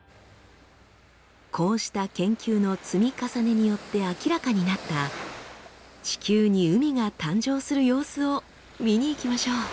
こうした研究の積み重ねによって明らかになった地球に海が誕生する様子を見に行きましょう。